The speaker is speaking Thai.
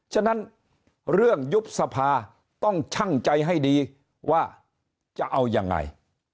ฉะนั้นเรื่องยุบสภาต้องชั่งใจให้ดีว่าจะเอายังไง